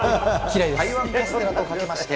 台湾カステラとかけまして、